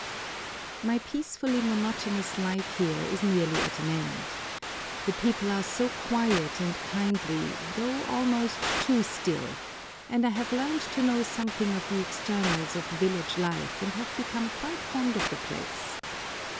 My peacefully monotonous life here is nearly at an end. The people are so quiet and kindly, though almost too still, and I have learned to know something of the externals of village life, and have become quite fond of the place.